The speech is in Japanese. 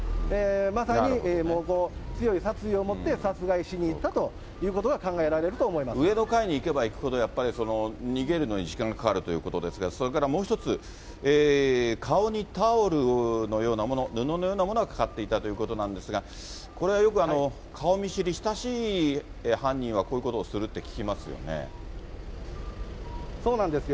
まさに強い殺意を持って殺害しに行ったということが考えられると上の階に行けば行くほど、やっぱり逃げるのに時間がかかるということですが、それからもう一つ、顔にタオルのようなもの、布のようなものがかかっていたということなんですが、これ、よく顔見知り、親しい犯人はこういうこそうなんですよ。